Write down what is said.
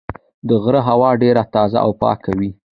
د غره هوا ډېره تازه او پاکه وي.